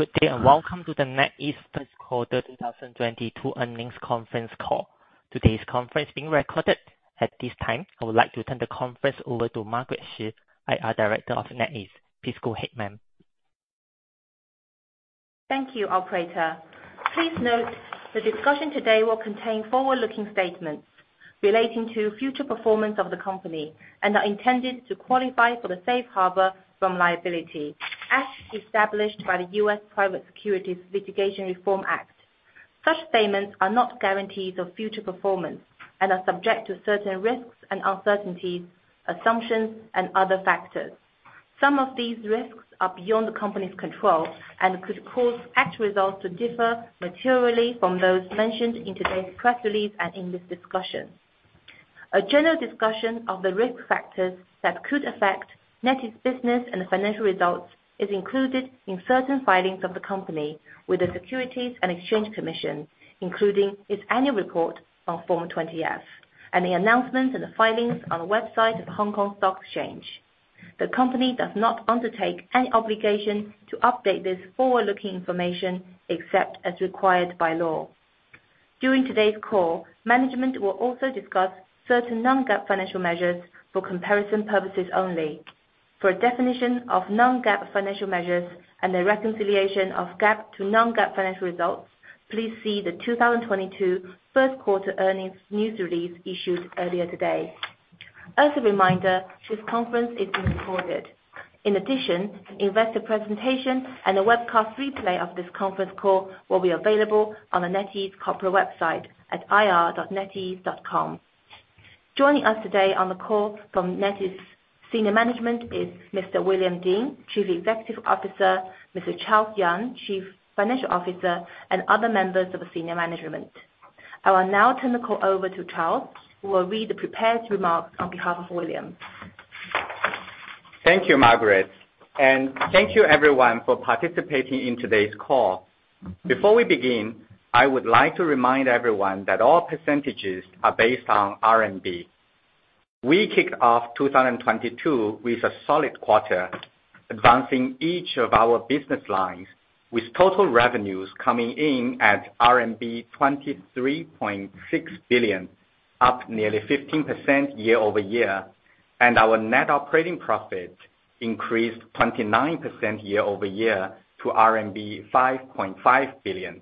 Good day, and welcome to the NetEase first quarter 2022 earnings conference call. Today's conference is being recorded. At this time, I would like to turn the conference over to Margaret Shi, IR Director of NetEase. Please go ahead, ma'am. Thank you, operator. Please note the discussion today will contain forward-looking statements relating to future performance of the company and are intended to qualify for the safe harbor from liability as established by the U.S. Private Securities Litigation Reform Act. Such statements are not guarantees of future performance and are subject to certain risks and uncertainties, assumptions, and other factors. Some of these risks are beyond the company's control and could cause actual results to differ materially from those mentioned in today's press release and in this discussion. A general discussion of the risk factors that could affect NetEase business and financial results is included in certain filings of the company with the Securities and Exchange Commission, including its annual report on Form 20-F, and the announcements and the filings on the website of Hong Kong Stock Exchange. The company does not undertake any obligation to update this forward-looking information except as required by law. During today's call, management will also discuss certain non-GAAP financial measures for comparison purposes only. For a definition of non-GAAP financial measures and a reconciliation of GAAP to non-GAAP financial results, please see the 2022 first quarter earnings news release issued earlier today. As a reminder, this conference is being recorded. In addition, investor presentation and a webcast replay of this conference call will be available on the NetEase corporate website at ir.netease.com. Joining us today on the call from NetEase senior management is Mr. William Ding, Chief Executive Officer, Mr. Charles Yang, Chief Financial Officer, and other members of the senior management. I will now turn the call over to Charles, who will read the prepared remarks on behalf of William. Thank you, Margaret, and thank you everyone for participating in today's call. Before we begin, I would like to remind everyone that all percentages are based on RMB. We kicked off 2022 with a solid quarter, advancing each of our business lines, with total revenues coming in at RMB 23.6 billion, up nearly 15% year-over-year, and our net operating profit increased 29% year-over-year to RMB 5.5 billion.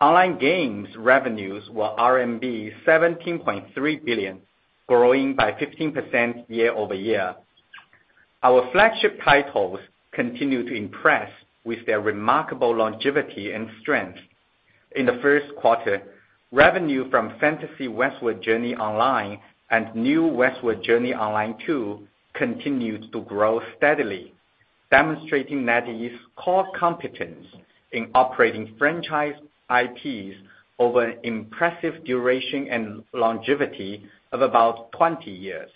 Online games revenues were RMB 17.3 billion, growing by 15% year-over-year. Our flagship titles continue to impress with their remarkable longevity and strength. In the first quarter, revenue from Fantasy Westward Journey Online and New Westward Journey Online II continued to grow steadily, demonstrating NetEase core competence in operating franchise IPs over an impressive duration and longevity of about 20 years.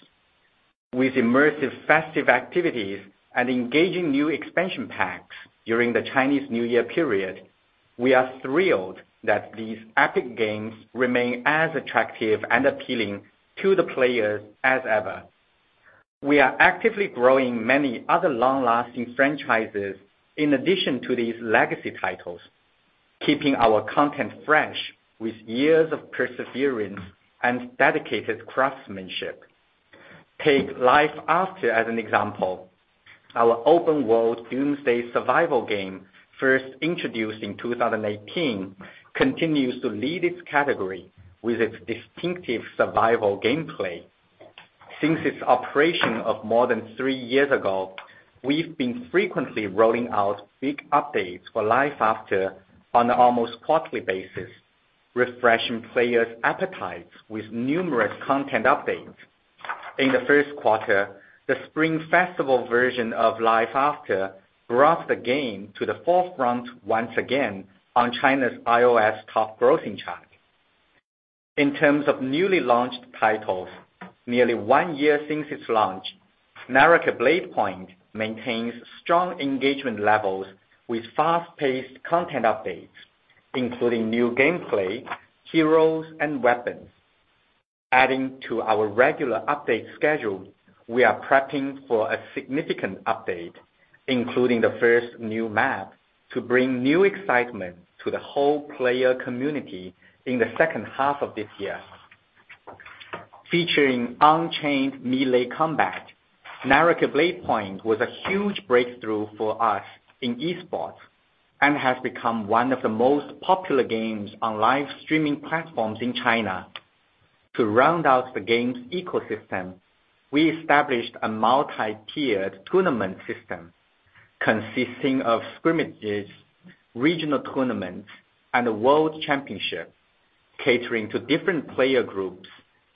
With immersive festive activities and engaging new expansion packs during the Chinese New Year period, we are thrilled that these epic games remain as attractive and appealing to the players as ever. We are actively growing many other long-lasting franchises in addition to these legacy titles, keeping our content fresh with years of perseverance and dedicated craftsmanship. Take LifeAfter as an example. Our open world doomsday survival game, first introduced in 2018, continues to lead its category with its distinctive survival gameplay. Since its operation of more than three years ago, we've been frequently rolling out big updates for LifeAfter on an almost quarterly basis, refreshing players' appetites with numerous content updates. In the first quarter, the Spring Festival version of LifeAfter brought the game to the forefront once again on China's iOS top grossing chart. In terms of newly launched titles, nearly one year since its launch, Naraka: Bladepoint maintains strong engagement levels with fast-paced content updates, including new gameplay, heroes, and weapons. Adding to our regular update schedule, we are prepping for a significant update, including the first new map, to bring new excitement to the whole player community in the second half of this year. Featuring unchained melee combat, Naraka: Bladepoint was a huge breakthrough for us in esports and has become one of the most popular games on live streaming platforms in China. To round out the game's ecosystem, we established a multi-tiered tournament system consisting of scrimmages, regional tournaments, and a world championship catering to different player groups,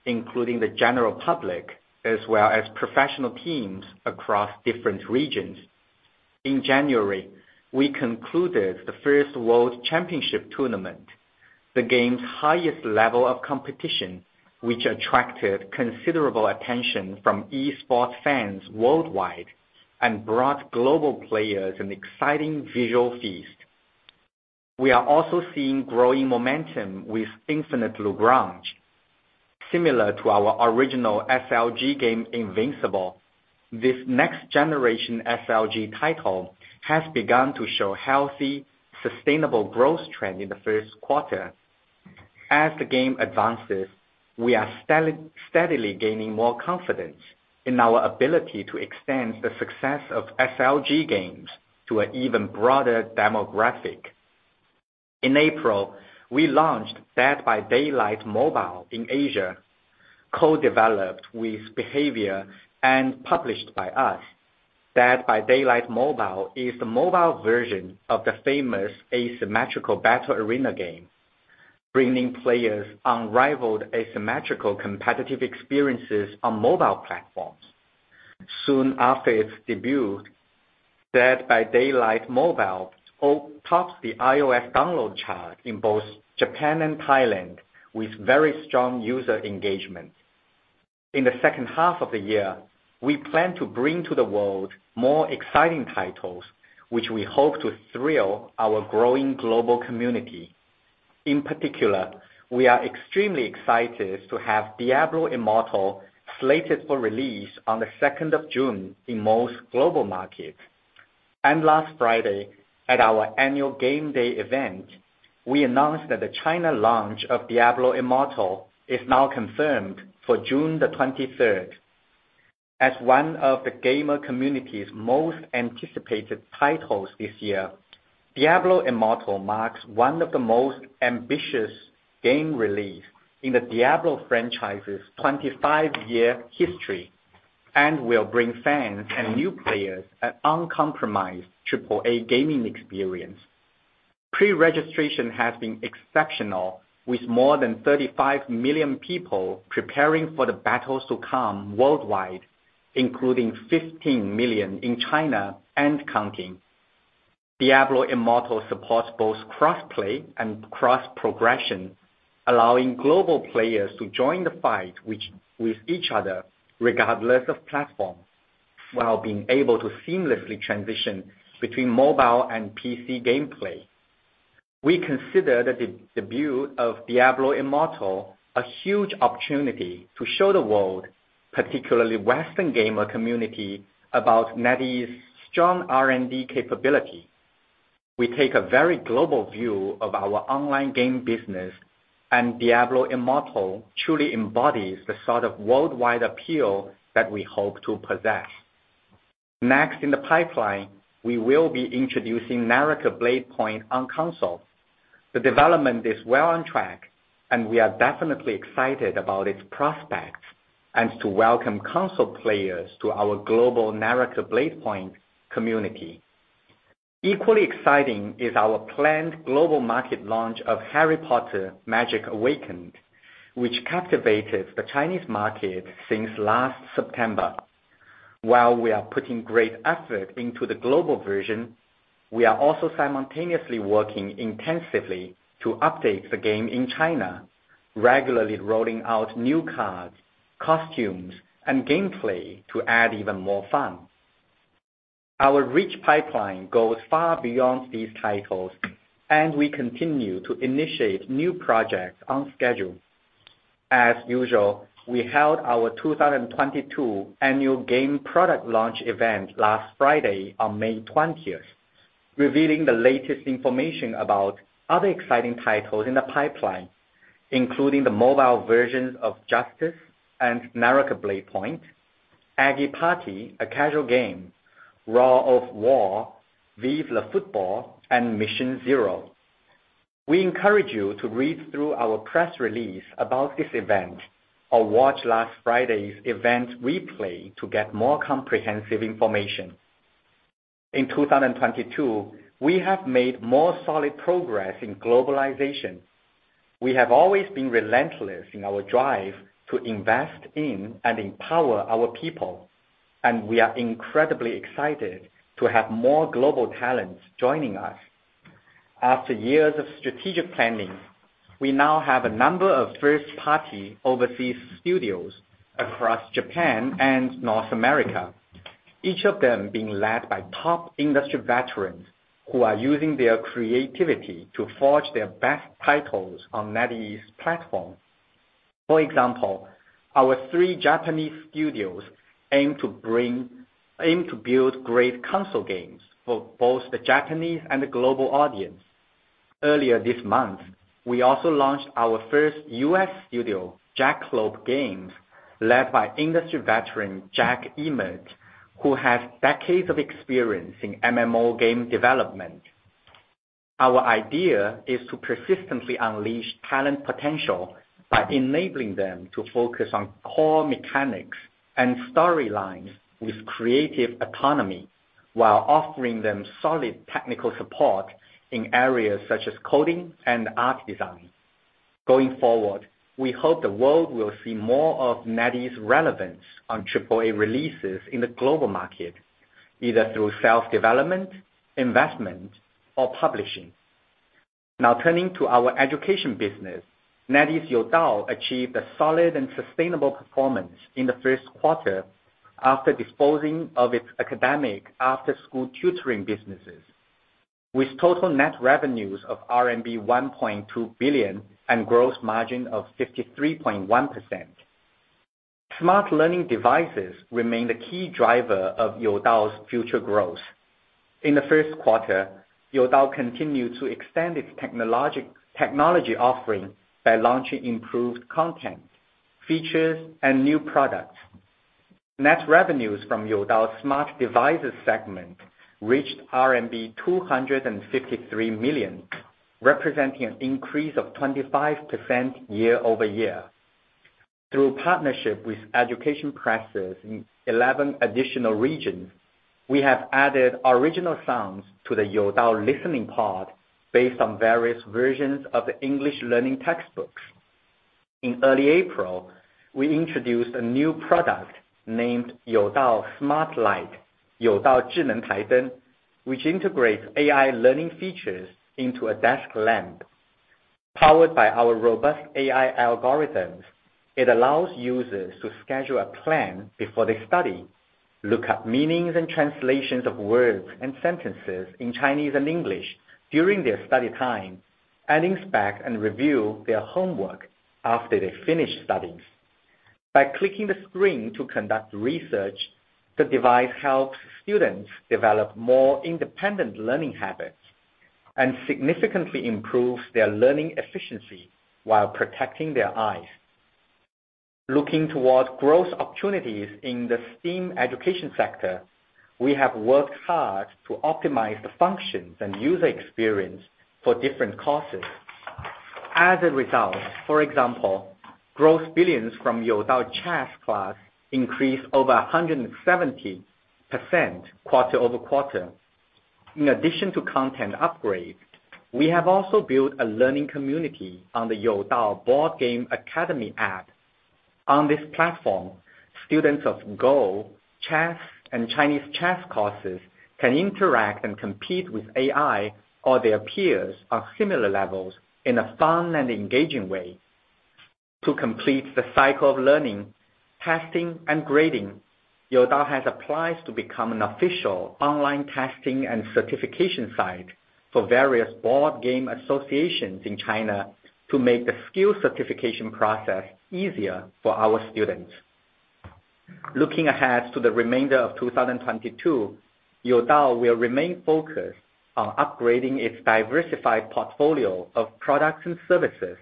including the general public, as well as professional teams across different regions. In January, we concluded the first world championship tournament, the game's highest level of competition, which attracted considerable attention from esports fans worldwide and brought global players an exciting visual feast. We are also seeing growing momentum with Infinite Lagrange. Similar to our original SLG game, Invincible, this next generation SLG title has begun to show healthy, sustainable growth trend in the first quarter. As the game advances, we are steadily gaining more confidence in our ability to extend the success of SLG games to an even broader demographic. In April, we launched Dead by Daylight Mobile in Asia, co-developed with Behaviour and published by us. Dead by Daylight Mobile is the mobile version of the famous asymmetrical battle arena game, bringing players unrivaled asymmetrical competitive experiences on mobile platforms. Soon after its debut, Dead by Daylight Mobile topped the iOS download chart in both Japan and Thailand with very strong user engagement. In the second half of the year, we plan to bring to the world more exciting titles, which we hope to thrill our growing global community. In particular, we are extremely excited to have Diablo Immortal slated for release on the second of June in most global markets. Last Friday, at our annual Game Day event, we announced that the China launch of Diablo Immortal is now confirmed for June the twenty-third. As one of the gamer community's most anticipated titles this year, Diablo Immortal marks one of the most ambitious game release in the Diablo franchise's 25-year history, and will bring fans and new players an uncompromised AAA gaming experience. Pre-registration has been exceptional, with more than 35 million people preparing for the battles to come worldwide, including 15 million in China and counting. Diablo Immortal supports both cross-play and cross-progression, allowing global players to join the fight with each other regardless of platform, while being able to seamlessly transition between mobile and PC gameplay. We consider the debut of Diablo Immortal a huge opportunity to show the world, particularly Western gamer community, about NetEase's strong R&D capability. We take a very global view of our online game business, and Diablo Immortal truly embodies the sort of worldwide appeal that we hope to possess. Next in the pipeline, we will be introducing Naraka: Bladepoint on console. The development is well on track, and we are definitely excited about its prospects, and to welcome console players to our global Naraka: Bladepoint community. Equally exciting is our planned global market launch of Harry Potter: Magic Awakened, which captivated the Chinese market since last September. While we are putting great effort into the global version, we are also simultaneously working intensively to update the game in China, regularly rolling out new cars, costumes, and gameplay to add even more fun. Our rich pipeline goes far beyond these titles, and we continue to initiate new projects on schedule. As usual, we held our 2022 annual game product launch event last Friday on May 20, revealing the latest information about other exciting titles in the pipeline, including the mobile versions of Justice and Naraka: Bladepoint, Eggy Party, a casual game, Roar of War, Vive le Football, and Mission Zero. We encourage you to read through our press release about this event, or watch last Friday's event replay to get more comprehensive information. In 2022, we have made more solid progress in globalization. We have always been relentless in our drive to invest in and empower our people, and we are incredibly excited to have more global talents joining us. After years of strategic planning, we now have a number of first-party overseas studios across Japan and North America. Each of them being led by top industry veterans who are using their creativity to forge their best titles on NetEase platform. For example, our three Japanese studios aim to build great console games for both the Japanese and the global audience. Earlier this month, we also launched our first U.S. studio, Jackalope Games, led by industry veteran Jack Emmert, who has decades of experience in MMO game development. Our idea is to persistently unleash talent potential by enabling them to focus on core mechanics and storylines with creative autonomy while offering them solid technical support in areas such as coding and art design. Going forward, we hope the world will see more of NetEase relevance on AAA releases in the global market, either through self-development, investment, or publishing. Now turning to our education business. NetEase Youdao achieved a solid and sustainable performance in the first quarter. After disposing of its academic after-school tutoring businesses. With total net revenues of RMB 1.2 billion and growth margin of 53.1%. Smart learning devices remain the key driver of Youdao's future growth. In the first quarter, Youdao continued to extend its technology offering by launching improved content, features and new products. Net revenues from Youdao smart devices segment reached RMB 253 million, representing an increase of 25% year-over-year. Through partnership with education presses in 11 additional regions, we have added original sounds to the Youdao Listening Pod based on various versions of the English learning textbooks. In early April, we introduced a new product named Youdao Smart Light, which integrates AI learning features into a desk lamp. Powered by our robust AI algorithms, it allows users to schedule a plan before they study, look up meanings and translations of words and sentences in Chinese and English during their study time, and inspect and review their homework after they finish studying. By clicking the screen to conduct research, the device helps students develop more independent learning habits and significantly improves their learning efficiency while protecting their eyes. Looking towards growth opportunities in the STEAM education sector, we have worked hard to optimize the functions and user experience for different courses. As a result, for example, growth billings from Youdao Chess Class increased over 170% quarter-over-quarter. In addition to content upgrade, we have also built a learning community on the Youdao Board Game Academy app. On this platform, students of Go, chess, and Chinese chess courses can interact and compete with AI or their peers of similar levels in a fun and engaging way. To complete the cycle of learning, testing and grading, Youdao has applied to become an official online testing and certification site for various board game associations in China to make the skill certification process easier for our students. Looking ahead to the remainder of 2022, Youdao will remain focused on upgrading its diversified portfolio of products and services,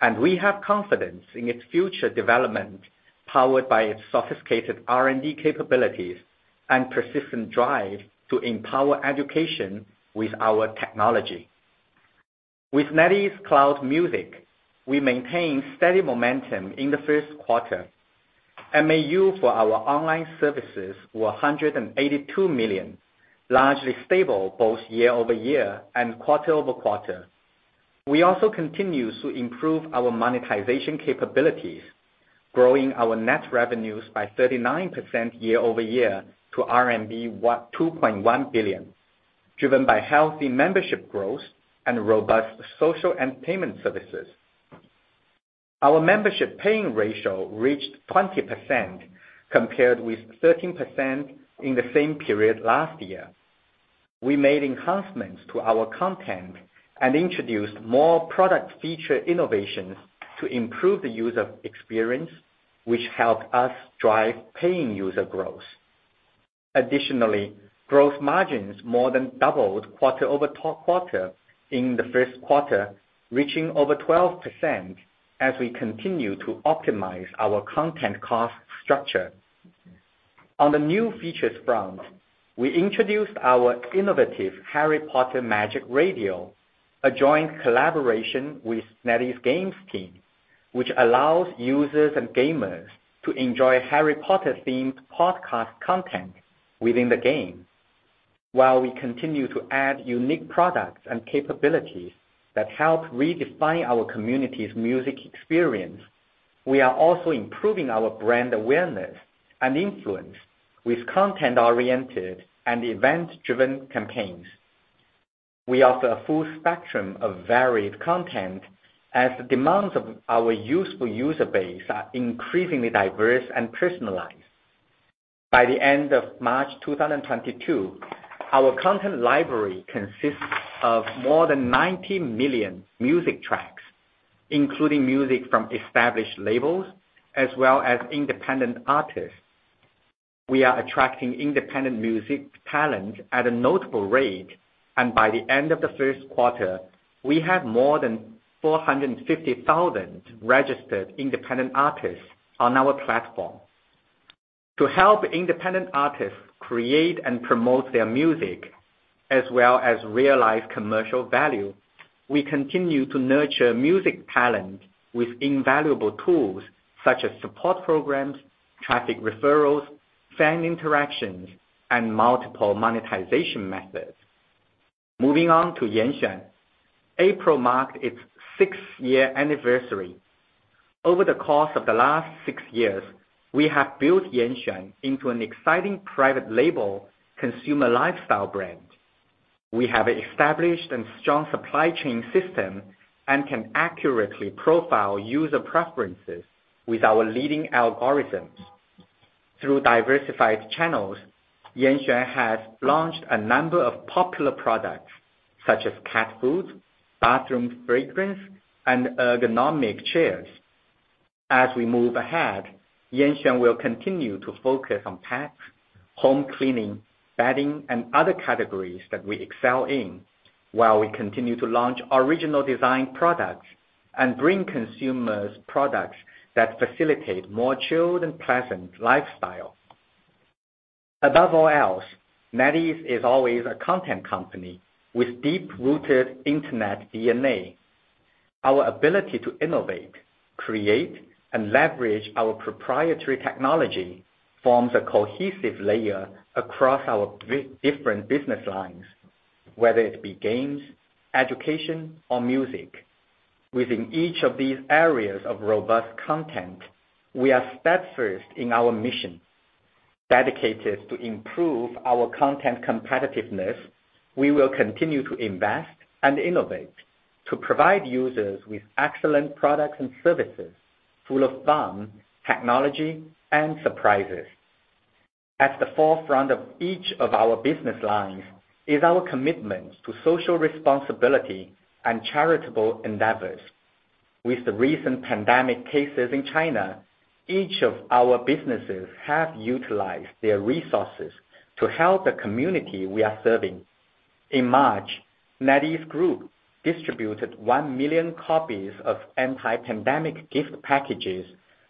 and we have confidence in its future development, powered by its sophisticated R&D capabilities and persistent drive to empower education with our technology. With NetEase Cloud Music, we maintain steady momentum in the first quarter. MAU for our online services were 182 million, largely stable both year-over-year and quarter-over-quarter. We also continue to improve our monetization capabilities, growing our net revenues by 39% year-over-year to RMB 1.2 billion, driven by healthy membership growth and robust social entertainment services. Our membership paying ratio reached 20%, compared with 13% in the same period last year. We made enhancements to our content and introduced more product feature innovations to improve the user experience, which helped us drive paying user growth. Additionally, growth margins more than doubled quarter-over-quarter in the first quarter, reaching over 12% as we continue to optimize our content cost structure. On the new features front, we introduced our innovative Harry Potter Magic Radio, a joint collaboration with NetEase Games team, which allows users and gamers to enjoy Harry Potter-themed podcast content within the game. While we continue to add unique products and capabilities that help redefine our community's music experience, we are also improving our brand awareness and influence with content-oriented and event-driven campaigns. We offer a full spectrum of varied content as the demands of our user base are increasingly diverse and personalized. By the end of March 2022, our content library consists of more than 90 million music tracks, including music from established labels as well as independent artists. We are attracting independent music talent at a notable rate, and by the end of the first quarter, we had more than 450,000 registered independent artists on our platform. To help independent artists create and promote their music, as well as realize commercial value, we continue to nurture music talent with invaluable tools such as support programs, traffic referrals, fan interactions, and multiple monetization methods. Moving on to Yanxuan. April marked its six-year anniversary. Over the course of the last six years, we have built Yanxuan into an exciting private label consumer lifestyle brand. We have established a strong supply chain system and can accurately profile user preferences with our leading algorithms. Through diversified channels, Yanxuan has launched a number of popular products such as cat food, bathroom fragrance, and ergonomic chairs. As we move ahead, Yanxuan will continue to focus on pets, home cleaning, bedding, and other categories that we excel in while we continue to launch original design products and bring consumers products that facilitate more chilled and pleasant lifestyle. Above all else, NetEase is always a content company with deep-rooted internet DNA. Our ability to innovate, create, and leverage our proprietary technology forms a cohesive layer across our different business lines, whether it be games, education or music. Within each of these areas of robust content, we are steadfast in our mission. Dedicated to improve our content competitiveness, we will continue to invest and innovate to provide users with excellent products and services full of fun, technology, and surprises. At the forefront of each of our business lines is our commitment to social responsibility and charitable endeavors. With the recent pandemic cases in China, each of our businesses have utilized their resources to help the community we are serving. In March, NetEase Group distributed 1 million copies of anti-pandemic gift packages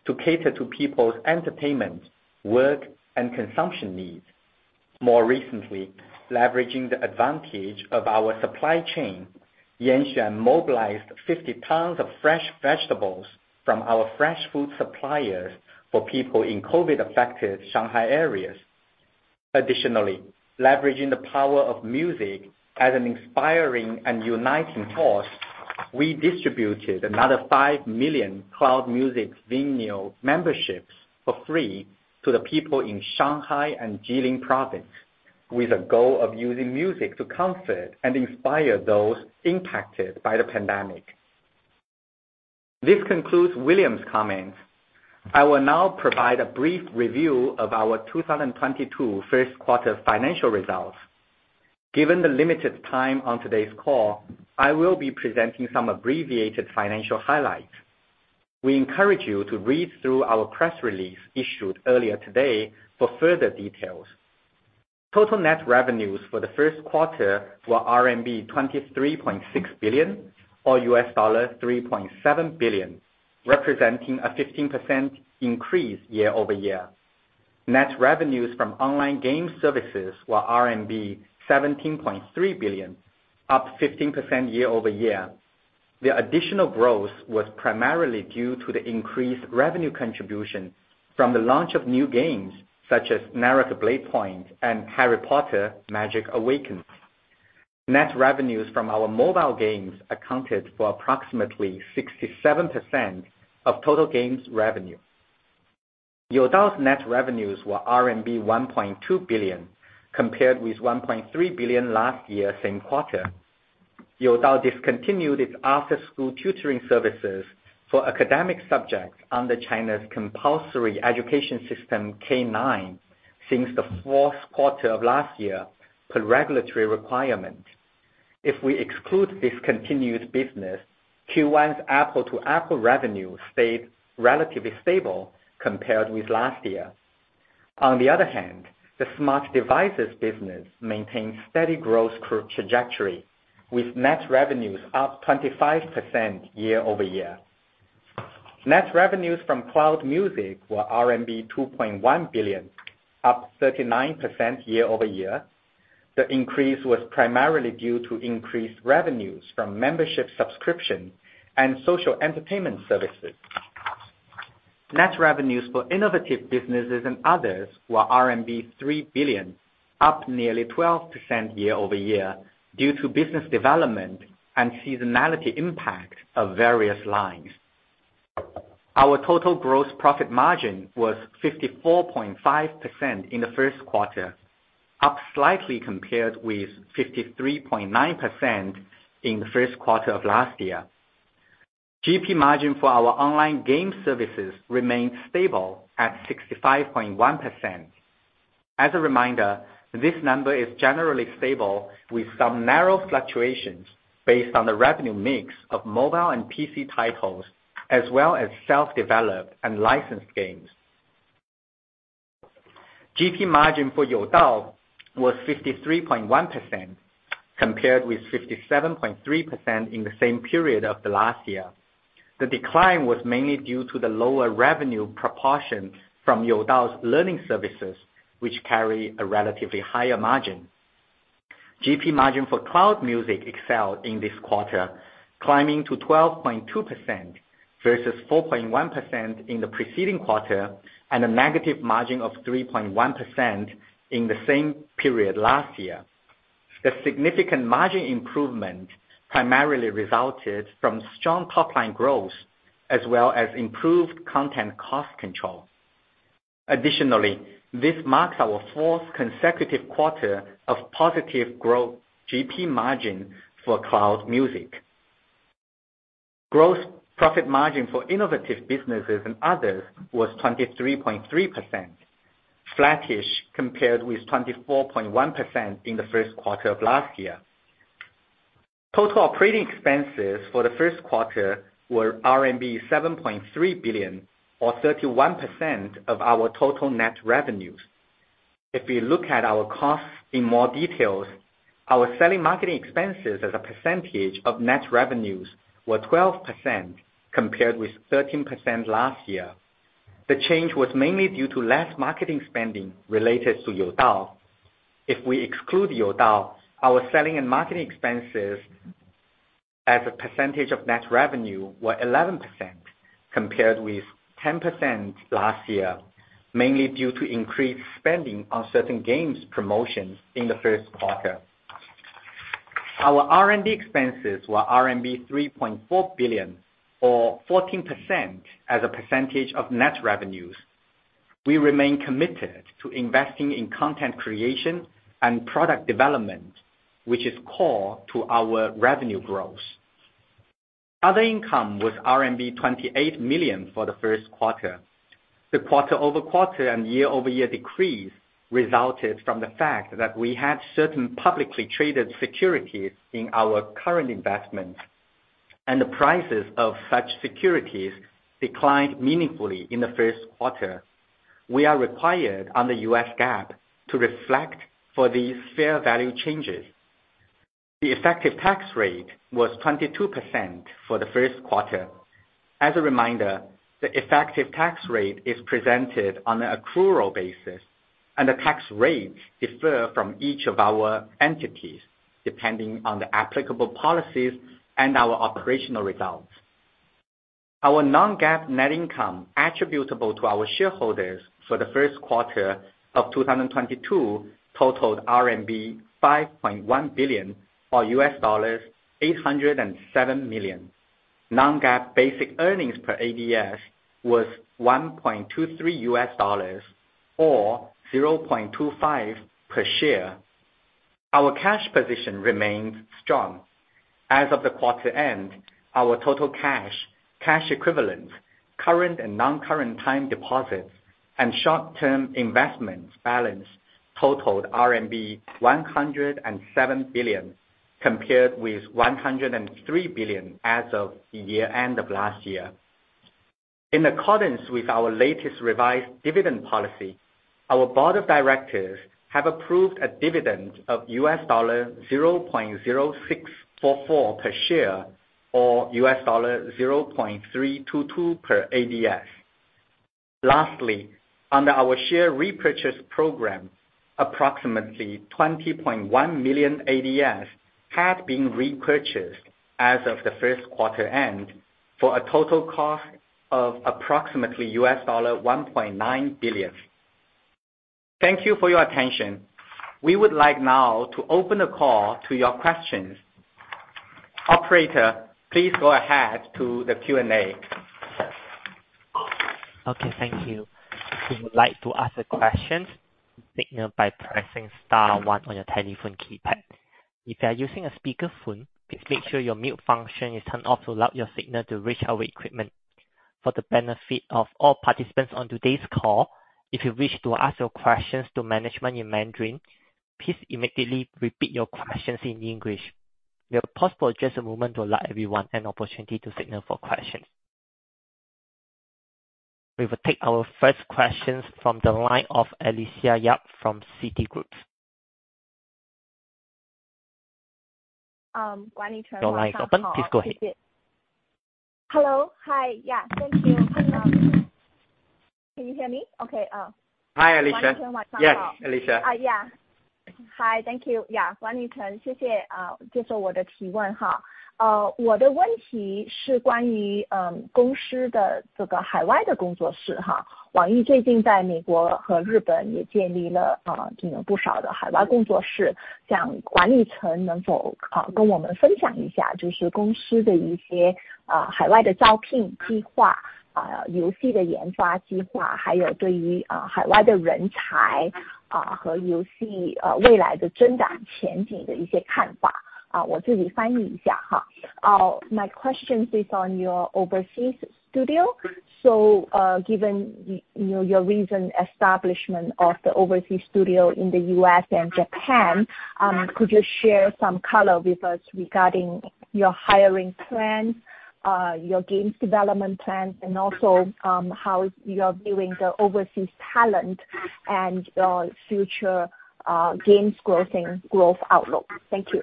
to cater to people's entertainment, work, and consumption needs. More recently, leveraging the advantage of our supply chain, Yanxuan mobilized 50 tons of fresh vegetables from our fresh food suppliers for people in COVID-affected Shanghai areas. Additionally, leveraging the power of music as an inspiring and uniting force, we distributed another 5 million Cloud Music VIP memberships for free to the people in Shanghai and Jilin Province, with a goal of using music to comfort and inspire those impacted by the pandemic. This concludes William's comments. I will now provide a brief review of our 2022 first quarter financial results. Given the limited time on today's call, I will be presenting some abbreviated financial highlights. We encourage you to read through our press release issued earlier today for further details. Total net revenues for the first quarter were RMB 23.6 billion, or $3.7 billion, representing a 15% increase year-over-year. Net revenues from online game services were RMB 17.3 billion, up 15% year-over-year. The additional growth was primarily due to the increased revenue contribution from the launch of new games such as Naraka: Bladepoint and Harry Potter: Magic Awakened. Net revenues from our mobile games accounted for approximately 67% of total games revenue. Youdao's net revenues were RMB 1.2 billion, compared with 1.3 billion last year same quarter. Youdao discontinued its after-school tutoring services for academic subjects under China's compulsory education system K-9 since the fourth quarter of last year per regulatory requirement. If we exclude discontinued business, Q1's apples-to-apples revenue stayed relatively stable compared with last year. On the other hand, the smart devices business maintained steady growth trajectory, with net revenues up 25% year-over-year. Net revenues from Cloud Music were RMB 2.1 billion, up 39% year-over-year. The increase was primarily due to increased revenues from membership subscription and social entertainment services. Net revenues for innovative businesses and others were RMB 3 billion, up nearly 12% year-over-year due to business development and seasonality impact of various lines. Our total gross profit margin was 54.5% in the first quarter, up slightly compared with 53.9% in the first quarter of last year. GP margin for our online game services remained stable at 65.1%. As a reminder, this number is generally stable with some narrow fluctuations based on the revenue mix of mobile and PC titles, as well as self-developed and licensed games. GP margin for Youdao was 53.1%, compared with 57.3% in the same period of the last year. The decline was mainly due to the lower revenue proportion from Youdao's learning services, which carry a relatively higher margin. GP margin for Cloud Music excelled in this quarter, climbing to 12.2% versus 4.1% in the preceding quarter, and a negative margin of 3.1% in the same period last year. The significant margin improvement primarily resulted from strong top line growth as well as improved content cost control. Additionally, this marks our fourth consecutive quarter of positive growth GP margin for Cloud Music. Gross profit margin for innovative businesses and others was 23.3%, flattish compared with 24.1% in the first quarter of last year. Total operating expenses for the first quarter were RMB 7.3 billion, or 31% of our total net revenues. If we look at our costs in more details, our sales and marketing expenses as a percentage of net revenues were 12% compared with 13% last year. The change was mainly due to less marketing spending related to Youdao. If we exclude Youdao, our selling and marketing expenses as a percentage of net revenue were 11% compared with 10% last year, mainly due to increased spending on certain games promotions in the first quarter. Our R&D expenses were RMB 3.4 billion or 14% as a percentage of net revenues. We remain committed to investing in content creation and product development, which is core to our revenue growth. Other income was RMB 28 million for the first quarter. The quarter-over-quarter and year-over-year decrease resulted from the fact that we had certain publicly traded securities in our current investments, and the prices of such securities declined meaningfully in the first quarter. We are required under U.S. GAAP to reflect these fair value changes. The effective tax rate was 22% for the first quarter. As a reminder, the effective tax rate is presented on an accrual basis and the tax rates differ from each of our entities depending on the applicable policies and our operational results. Our non-GAAP net income attributable to our shareholders for the first quarter of 2022 totaled RMB 5.1 billion, or $807 million. Non-GAAP basic earnings per ADS was $1.23 or $0.25 per share. Our cash position remains strong. As of the quarter end, our total cash equivalents, current and non-current time deposits and short-term investments balance totaled RMB 107 billion, compared with 103 billion as of the year-end of last year. In accordance with our latest revised dividend policy, our board of directors have approved a dividend of $0.0644 per share or $0.322 per ADS. Lastly, under our share repurchase program, approximately 20.1 million ADS had been repurchased as of the first quarter end for a total cost of approximately $1.9 billion. Thank you for your attention. We would like now to open the call to your questions. Operator, please go ahead to the Q&A. Okay. Thank you. If you would like to ask the questions, signal by pressing star one on your telephone keypad. If you are using a speakerphone, please make sure your mute function is turned off to allow your signal to reach our equipment. For the benefit of all participants on today's call, if you wish to ask your questions to management in Mandarin, please immediately repeat your questions in English. We'll pause for just a moment to allow everyone an opportunity to signal for questions. We will take our first questions from the line of Alicia Yap from Citigroup. Um. Your line is open. Please go ahead. Hello. Hi. Yeah, thank you. Can you hear me? Okay. Hi, Alicia. Yes, Alicia. Hi, thank you. My question is on your overseas studio. Given you know, your recent establishment of the overseas studio in the U.S. and Japan, could you share some color with us regarding your hiring plans, your games development plans, and also, how you are viewing the overseas talent and, future, games growth and growth outlook? Thank you.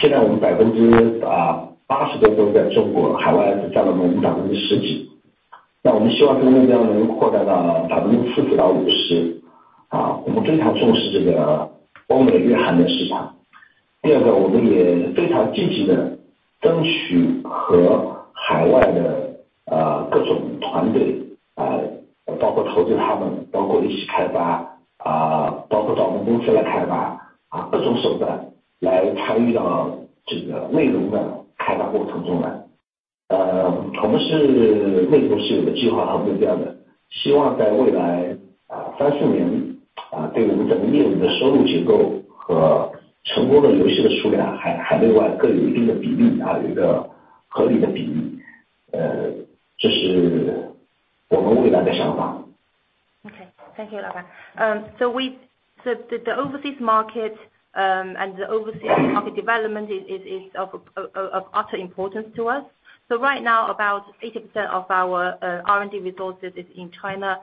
[Speaks in foreign language] Okay. Thank you. The overseas market and the overseas market development is of utter importance to us. Right now, about 80% of our R&D resources is in China.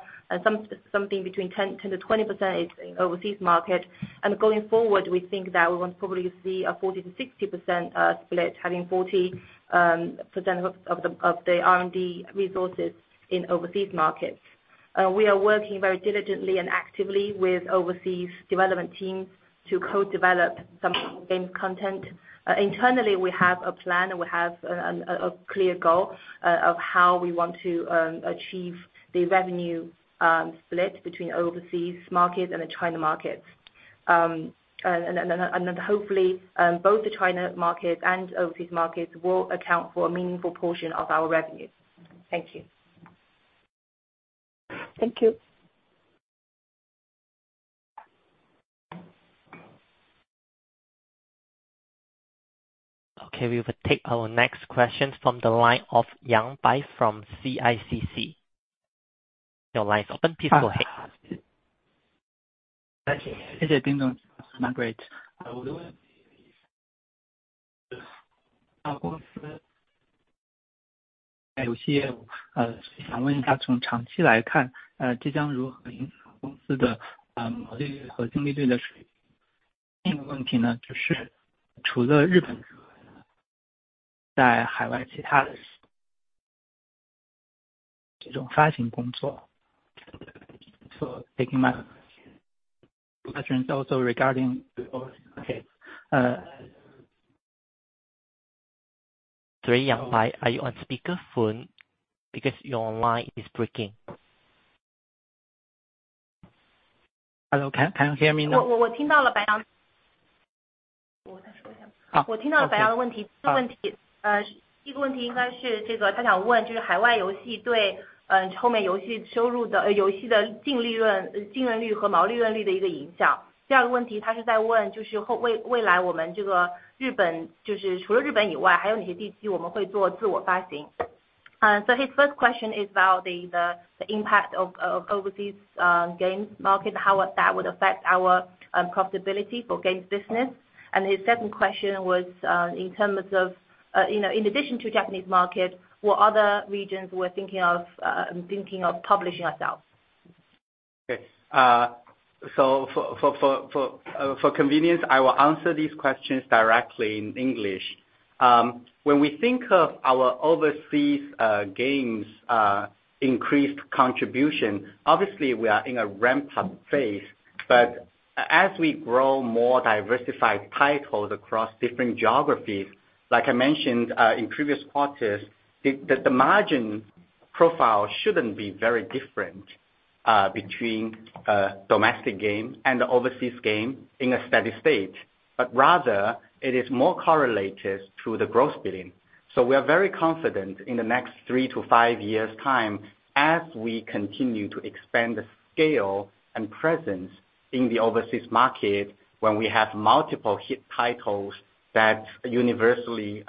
Something between 10%-20% is in overseas market. Going forward, we think that we will probably see a 40%-60% split, having 40% of the R&D resources in overseas markets. We are working very diligently and actively with overseas development teams to co-develop some game content. Internally, we have a plan and we have a clear goal of how we want to achieve the revenue split between overseas markets and the China markets. Hopefully, both the China markets and overseas markets will account for a meaningful portion of our revenues. Thank you. Thank you. Okay. We will take our next question from the line of Yang Bai from CICC. Your line is open. Please go ahead. His first question is about the impact of overseas games market, how that would affect our profitability for games business. His second question was in terms of you know in addition to Japanese market, what other regions we're thinking of publishing ourselves. Okay. So for convenience, I will answer these questions directly in English. When we think of our overseas games increased contribution, obviously we are in a ramp-up phase. As we grow more diversified titles across different geographies, like I mentioned in previous quarters, the margin profile shouldn't be very different between a domestic game and the overseas game in a steady state. Rather it is more correlated to the growth billing. We are very confident in the next three to five years' time as we continue to expand the scale and presence in the overseas market, when we have multiple hit titles that are universally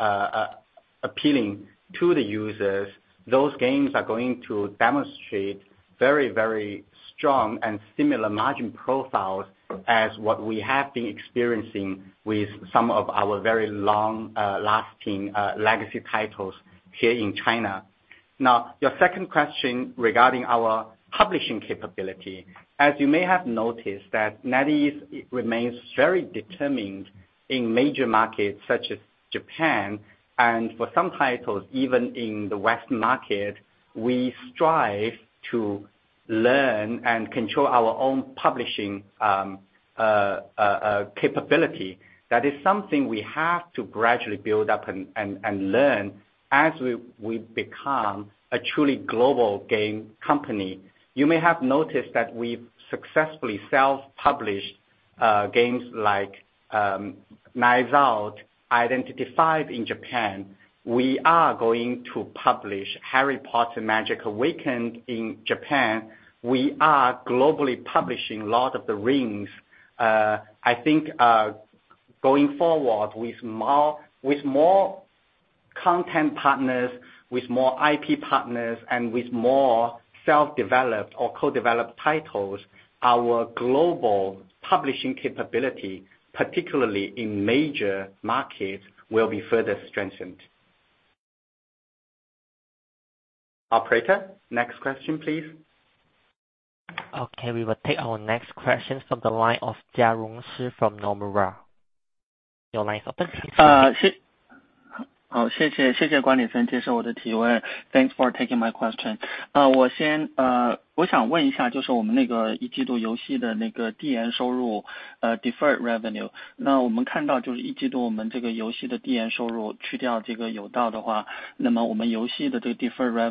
appealing to the users, those games are going to demonstrate very, very strong and similar margin profiles as what we have been experiencing with some of our very long lasting legacy titles here in China. Now, your second question regarding our publishing capability, as you may have noticed that NetEase remains very determined in major markets such as Japan, and for some titles even in the western market, we strive to learn and control our own publishing capability. That is something we have to gradually build up and learn as we become a truly global game company. You may have noticed that we've successfully self-published games like Knives Out, Identity V in Japan. We are going to publish Harry Potter: Magic Awakened in Japan. We are globally publishing Lord of the Rings. I think going forward with more content partners, with more IP partners, and with more self-developed or co-developed titles, our global publishing capability, particularly in major markets, will be further strengthened. Operator, next question, please. Okay. We will take our next question from the line of Jialong Shi from Nomura. Your line is open. 好，谢谢，谢谢管理层接受我的提问。Thanks for taking my question. 我想问一下，就是我们那个一季度游戏的那个递延收入，deferred revenue，那我们看到就是一季度我们这个游戏的递延收入，去掉这个有道的话，那么我们游戏的这个deferred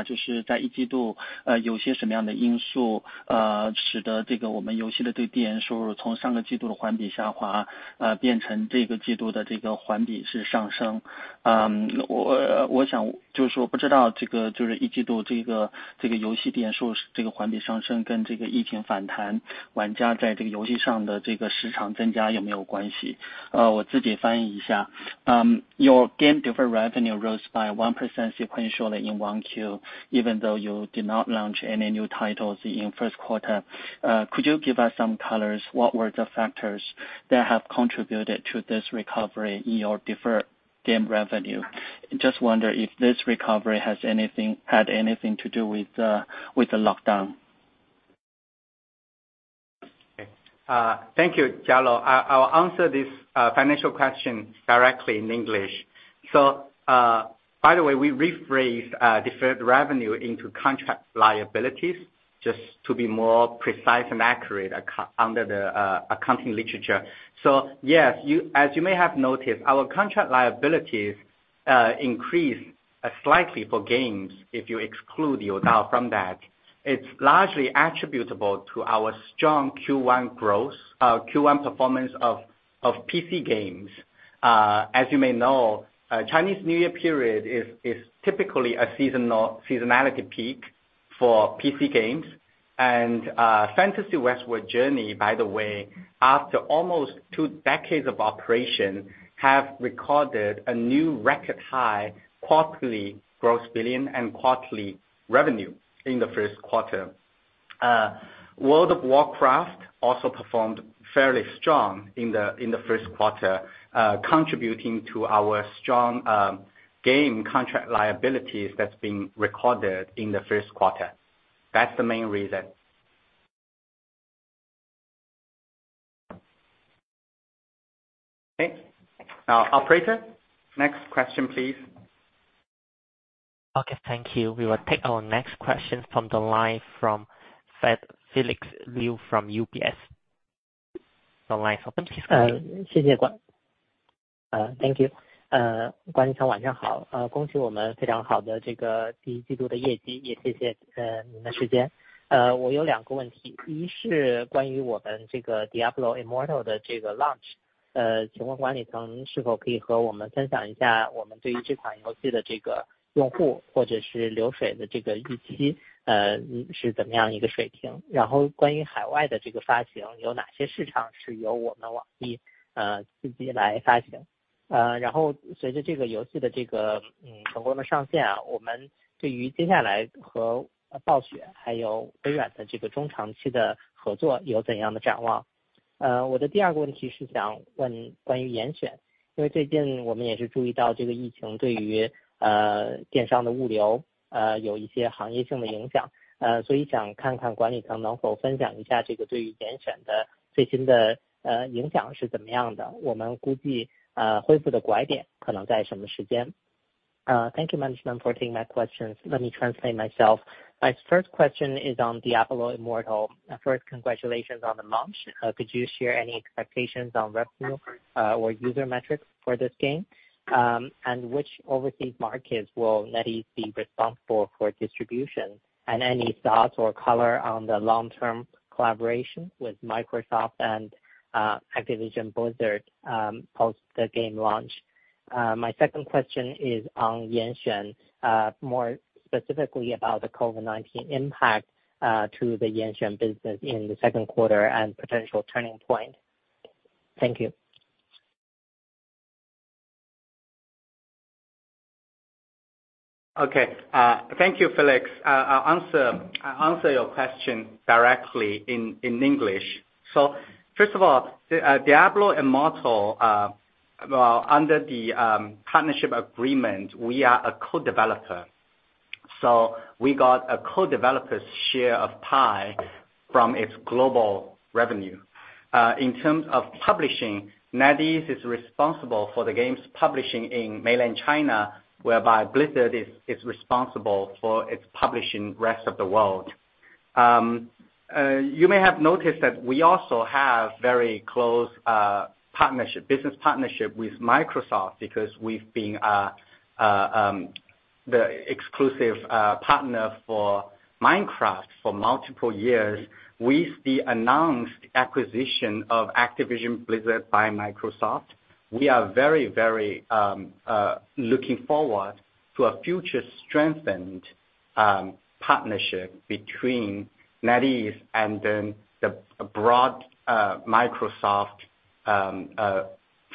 revenue是环比上升了1%，这个还是蛮惊喜的，因为一季度我们都知道网易没有上什么新的游戏，所以我想问一下，就是可不可以跟我们讲一下，就是在一季度有些什么样的因素，使得这个我们游戏的递延收入从上个季度的环比下滑，变成这个季度的这个环比是上升，我想就是说不知道这个就是一季度这个游戏点数这个环比上升，跟这个疫情反弹，玩家在这个游戏上的这个时长增加有没有关系？我自己翻译一下。Your game deferred revenue rose by 1% sequentially in 1Q, even though you did not launch any new titles in first quarter. Could you give us some color on what were the factors that have contributed to this recovery in your deferred game revenue? Just wonder if this recovery had anything to do with the lockdown? Thank you, Jialong. I will answer this financial question directly in English. By the way, we rephrase deferred revenue into contract liabilities just to be more precise and accurate under the accounting literature. Yes, as you may have noticed, our contract liabilities increase slightly for games. If you exclude Youdao from that, it's largely attributable to our strong Q1 growth, Q1 performance of PC games. As you may know, Chinese New Year period is typically a seasonality peak for PC games and Fantasy Westward Journey, by the way, after almost two decades of operation, have recorded a new record high quarterly gross billings and quarterly revenue in the first quarter. World of Warcraft also performed fairly strong in the first quarter, contributing to our strong games contract liabilities that's been recorded in the first quarter. That's the main reason. Okay, operator, next question please. Okay, thank you. We will take our next question from the line of Felix Liu from UBS on the line. 谢谢。管理层晚上好，恭喜我们非常好的第一季度的业绩，也谢谢你们的时间。我有两个问题，一是关于我们这个 Diablo Immortal 的这个 launch，请问管理层是否可以和我们分享一下我们对于这款游戏的用户或者是流水的这个预期，是怎么样一个水平？然后关于海外的这个发行，有哪些市场是由我们网易自己来发行？然后随着这个游戏的成功上线，我们对于接下来和暴雪还有微软的这个中长期的合作有怎样的展望？我的第二个问题是想问关于严选，因为最近我们也是注意到这个疫情对于电商的物流有一些行业性的影响，所以想看看管理层能否分享一下这个对于严选的最新的影响是怎么样的，我们估计恢复的拐点可能在什么时间。Thank you, management, for taking my questions. Let me translate myself. My first question is on Diablo Immortal. Congratulations on the launch! Could you share any expectations on revenue or user metrics for this game? Which overseas markets will NetEase be responsible for distribution? Any thoughts or color on the long term collaboration with Microsoft and Activision Blizzard post the game launch. My second question is on Yanxuan, more specifically about the COVID-19 impact to the Yanxuan business in the second quarter and potential turning point. Thank you. Okay, thank you Felix. I answer your question directly in English. First of all, Diablo Immortal, under the partnership agreement, we are a co-developer, so we got a co-developer's share of pie from its global revenue. In terms of publishing, NetEase is responsible for the game's publishing in mainland China, whereby Blizzard is responsible for its publishing in the rest of the world. You may have noticed that we also have very close business partnership with Microsoft because we've been the exclusive partner for Minecraft for multiple years. With the announced acquisition of Activision Blizzard by Microsoft, we are very looking forward to a future strengthened partnership between NetEase and the broad Microsoft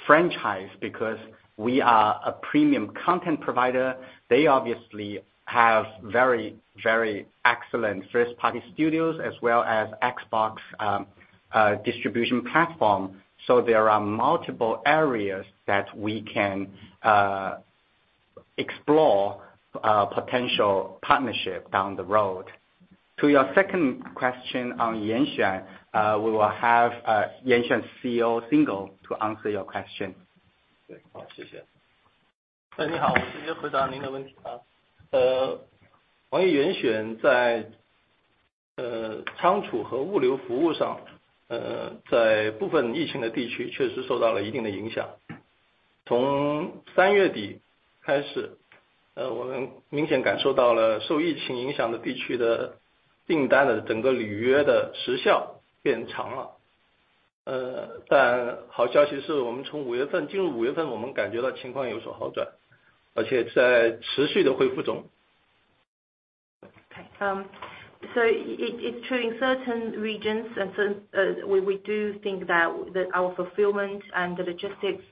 franchise, because we are a premium content provider. They obviously have very excellent first-party studios as well as Xbox distribution platform. There are multiple areas that we can explore potential partnership down the road. To your second question on Yanxuan, we will have Yanxuan's CEO Singo to answer your question. 好，谢谢。你好，我直接回答您的问题啊。网易严选在仓储和物流服务上，在部分疫情的地区确实受到了一定的影响。从三月底开始，我们明显感受到了受疫情影响的地区的订单的整个履约的时效变长了。但好消息是我们从五月份，进入五月份，我们感觉到情况有所好转，而且在持续地恢复中。In certain regions, we do think that our fulfillment and the logistics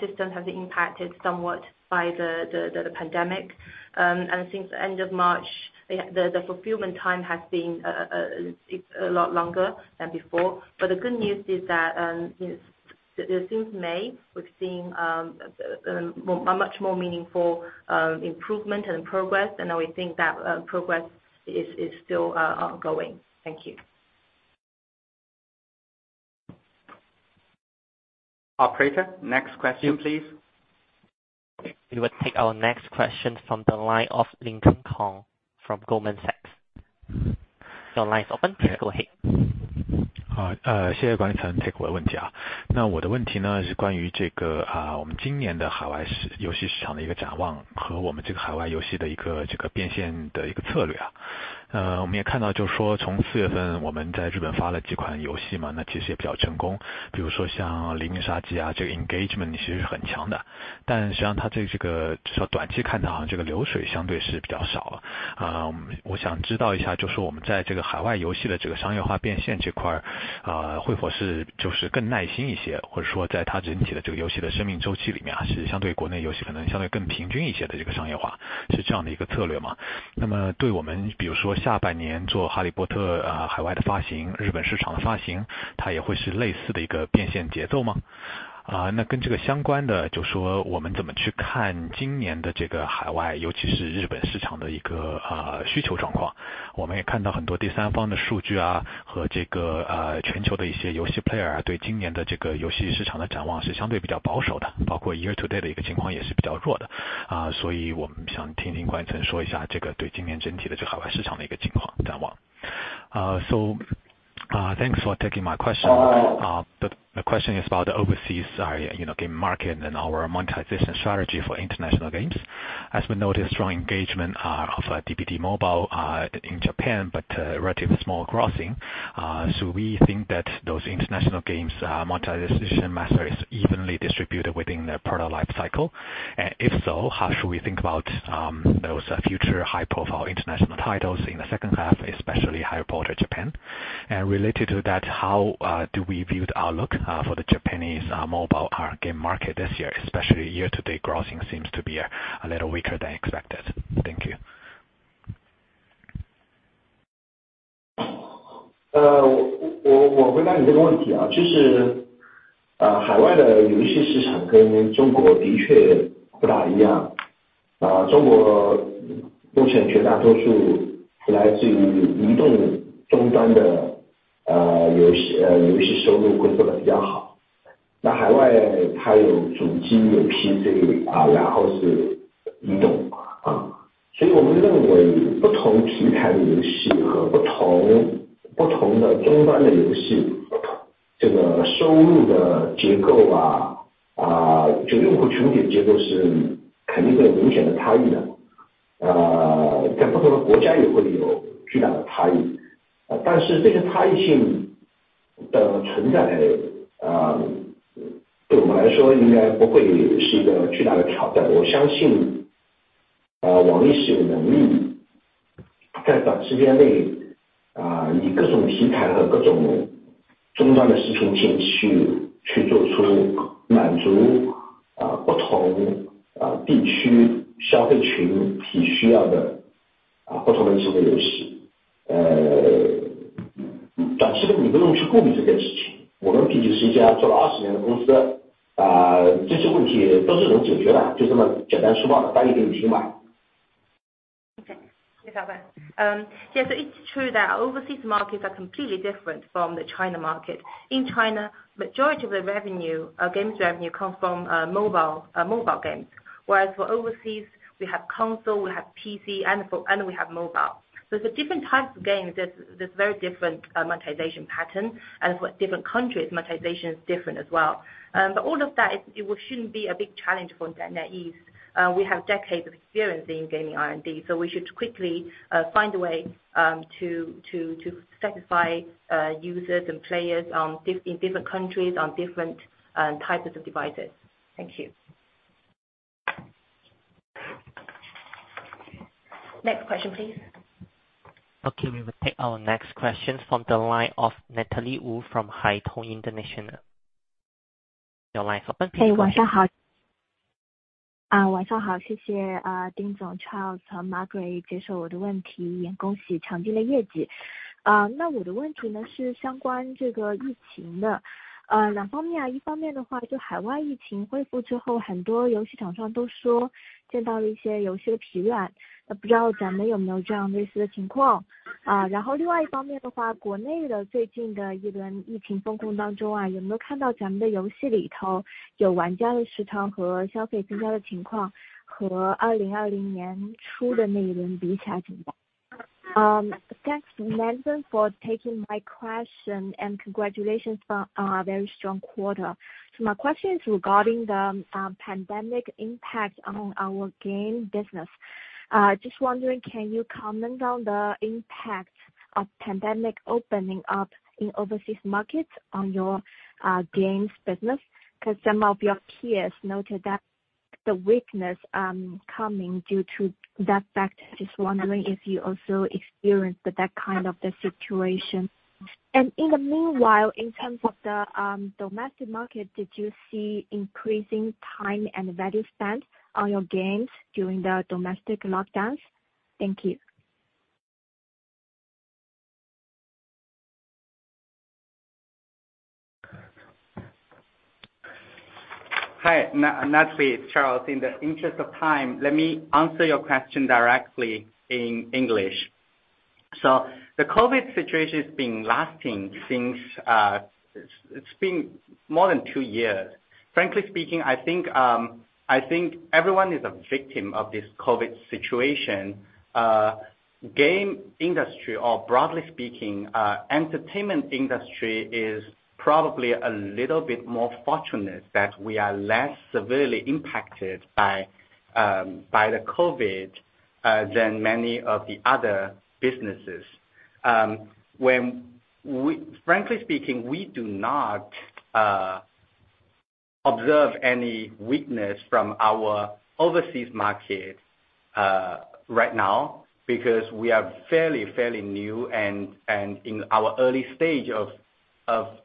system has been impacted somewhat by the pandemic, and since the end of March, the fulfillment time has been a lot longer than before. The good news is that, you know, since May, we've seen a much more meaningful improvement and progress, and we think that progress is still going. Thank you. Operator, next question please. We will take our next question from the line of Lincoln Kong from Goldman Sachs. Your line is open, please go ahead. 好，谢谢管理层 take 我的问题啊。那我的问题呢，是关于这个，我们今年的海外游戏市场的一个展望，和我们这个海外游戏的一个变现的一个策略啊。我们也看到，就是说从四月份我们在日本发了几款游戏嘛，那其实也比较成功，比如说像零秒杀机啊，这个 engagement player 啊，对今年的这个游戏市场的展望是相对比较保守的，包括 year to date 的一个情况也是比较弱的。所以我们想听听管理层说一下这个对今年整体的这个海外市场的一个情况展望。Thanks for taking my question. The question is about the overseas game market and our monetization strategy for international games. As we know, there's strong engagement of Dead by Daylight Mobile in Japan, but a relatively small crossing, so we think that those international games' monetization pattern is evenly distributed within their product lifecycle. If so, how should we think about those future high profile international titles in the second half, especially Harry Potter Japan? Related to that, how do we view the outlook for the Japanese mobile game market this year, especially year-to-date grossing seems to be a little weaker than expected? Thank you. Yes, it's true that overseas markets are completely different from the China market. In China, majority of the revenue, games revenue come from mobile games, whereas for overseas we have console, we have PC, and we have mobile. The different types of games, there's very different monetization patterns, and for different countries, monetization is different as well. All of that it will shouldn't be a big challenge for NetEase. We have decades of experience in gaming R&D, so we should quickly find a way to satisfy users and players in different countries on different types of devices. Thank you. Next question please. Okay. We will take our next question from the line of Natalie Wu from Haitong International. Your line is open. 可以，晚上好。晚上好，谢谢。丁总、Charles 和 Margaret 接受我的问题，也恭喜亮眼的业绩。那我的问题呢，是相关这个疫情的两方面，一方面的话，就海外疫情恢复之后，很多游戏厂商都说遇到了一些游戏的疲软，那不知道咱们有没有这样类似的情况？然后另外一方面的话，国内的最近的一轮疫情封控当中，有没有看到咱们的游戏里头有玩家的时长和消费增加的情况，和二零二零年初的那一轮比一下情况。Thanks, Nelson, for taking my question, and congratulations for a very strong quarter. My question is regarding the pandemic impact on our game business. Just wondering, can you comment on the impact of pandemic opening up in overseas markets on your games business? Because some of your peers noted that the weakness coming due to that fact, just wondering if you also experienced that kind of the situation. In the meanwhile, in terms of the domestic market, did you see increasing time and value spent on your games during the domestic lockdowns? Thank you. Hi, Natalie, it's Charles. In the interest of time, let me answer your question directly in English. The COVID situation has been lasting since, it's been more than two years. Frankly speaking, I think everyone is a victim of this COVID situation. Game industry, or broadly speaking, entertainment industry, is probably a little bit more fortunate that we are less severely impacted by the COVID than many of the other businesses. Frankly speaking, we do not observe any weakness from our overseas markets, right now, because we are fairly new and in our early stage of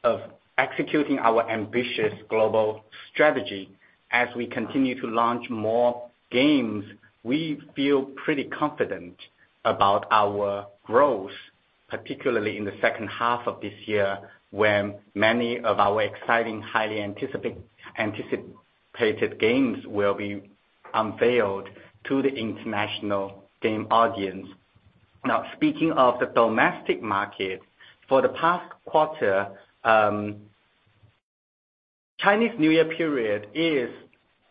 executing our ambitious global strategy. As we continue to launch more games, we feel pretty confident about our growth, particularly in the second half of this year, when many of our exciting, highly anticipated games will be unveiled to the international game audience. Now, speaking of the domestic market, for the past quarter, Chinese New Year period is,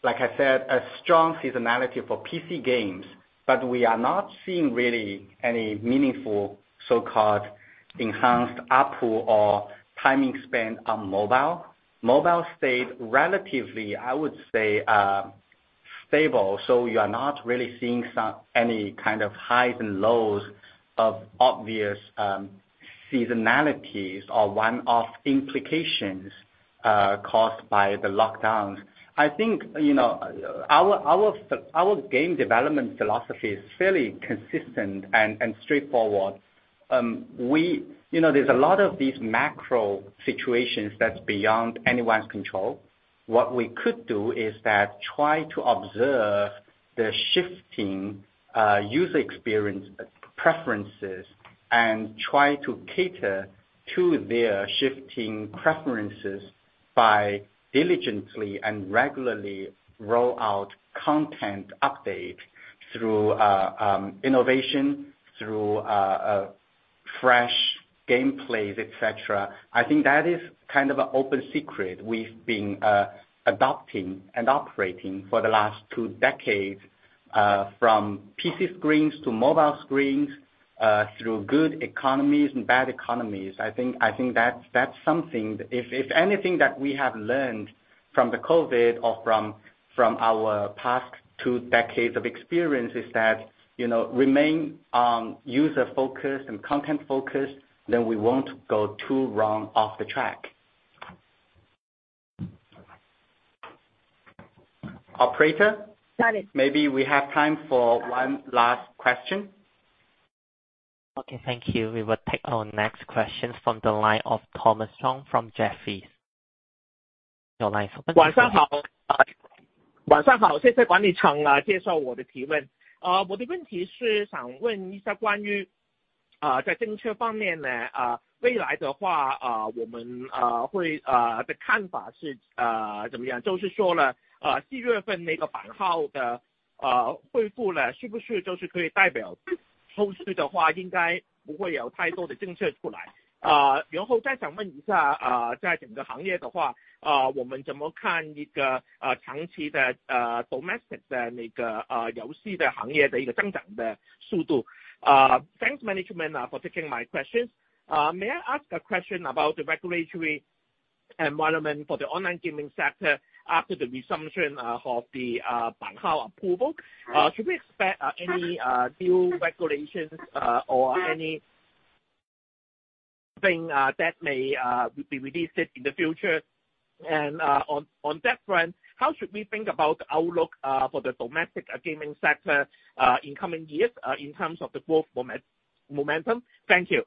like I said, a strong seasonality for PC games, but we are not seeing really any meaningful so-called enhanced ARPU or time spent on mobile. Mobile stayed relatively, I would say, stable, so you are not really seeing any kind of highs and lows of obvious, seasonalities or one-off implications, caused by the lockdowns. I think, you know, our game development philosophy is fairly consistent and straightforward. We, you know, there's a lot of these macro situations that's beyond anyone's control. What we could do is that try to observe the shifting, user experience preferences and try to cater to their shifting preferences by diligently and regularly roll out content update through, innovation, through, fresh gameplays, etc. I think that is kind of an open secret we've been adopting and operating for the last two decades, from PC screens to mobile screens, through good economies and bad economies. I think that's something if anything that we have learned from the COVID or from our past two decades of experience is that, you know, remain user-focused and content-focused, then we won't go too wrong off the track. Operator? Got it. Maybe we have time for one last question. Okay, thank you. We will take our next questions from the line of Thomas Chong from Jefferies. Your line is open. Thanks, management, for taking my questions. May I ask a question about the regulatory environment for the online gaming sector after the resumption of the 版号 approval? Should we expect any new regulations or anything that may be released in the future? On that front, how should we think about outlook for the domestic gaming sector in coming years in terms of the growth momentum? Thank you.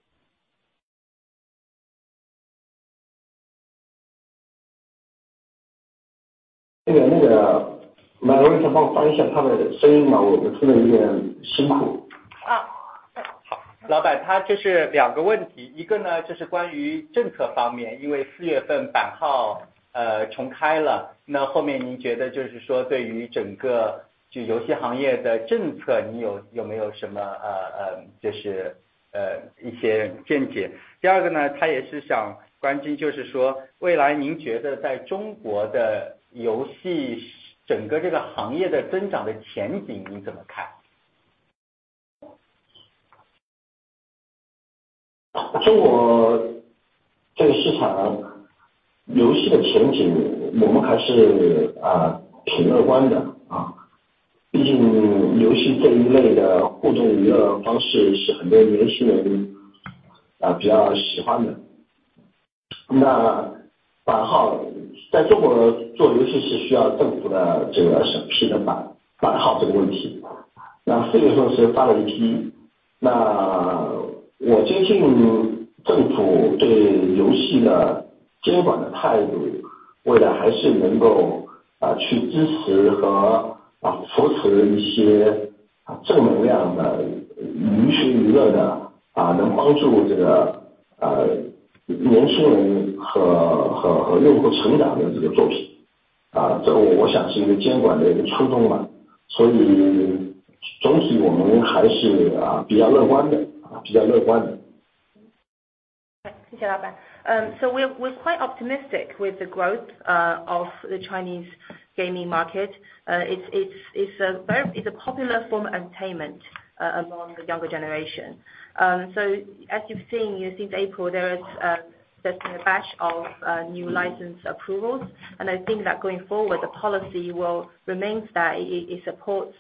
Thank you, boss. We quite optimistic with the growth of the Chinese gaming market. It's a popular form of entertainment among the younger generation. As you've seen, since April, there's been a batch of new license approvals. I think that going forward, the policy will remains that it supports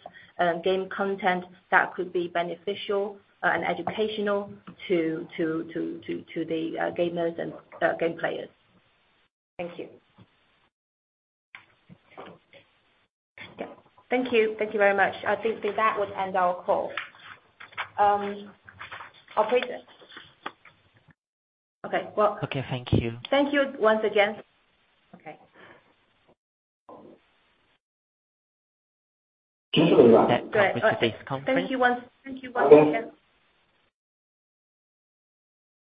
game content that could be beneficial and educational to the gamers and game players. Thank you. Thank you. Thank you very much. I think that would end our call. Operator. Okay, well- Okay, thank you. Thank you once again. Okay. That concludes today's conference. Thank you once again.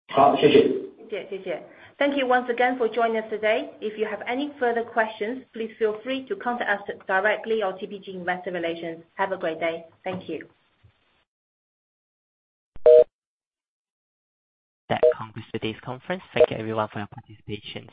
好，谢谢。谢谢，谢谢。Thank you once again for joining us today. If you have any further questions, please feel free to contact us directly or TPG Investor Relations. Have a great day. Thank you. That concludes today's conference. Thank you everyone for your participation.